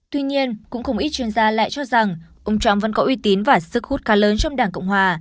tuy nhiên cũng không ít chuyên gia lại cho rằng ông trump vẫn có uy tín và sức hút khá lớn trong đảng cộng hòa